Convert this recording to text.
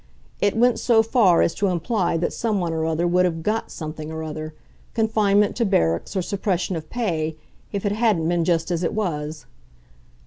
It went so far as to imply that someone or other would have "got" something or other, confinement to barracks or suppression of pay, if it hadn't been just as it was.